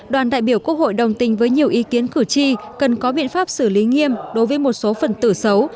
đoàn đại biểu quốc hội đồng tình với nhiều ý kiến cử tri cần có biện pháp xử lý nghiêm đối với một số phần tử xấu